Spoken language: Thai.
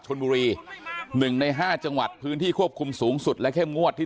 ชนบุรี๑ใน๕จังหวัดพื้นที่ควบคุมสูงสุดและเข้มงวดที่